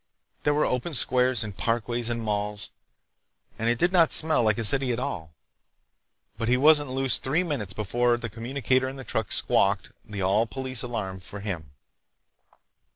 There were open squares and parkways and malls, and it did not smell like a city at all. But he wasn't loose three minutes before the communicator in the truck squawked the all police alarm for him.